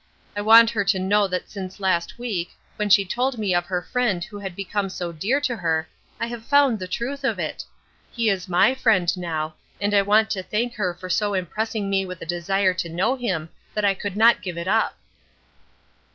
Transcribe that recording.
I want her to know that since last week, when she told me of her Friend who had become so dear to her, I have found the truth of it. He is my Friend now, and I want to thank her for so impressing me with a desire to know him that I could not give it up."